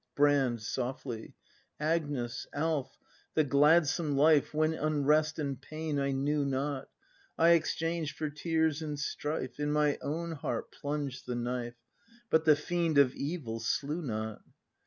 Brand. [Softly.] Agnes, Alf, the gladsome life When unrest and pain I knew not — I exchanged for tears and strife, In my own heart plunged the knife, — But the fiend of evil slew not.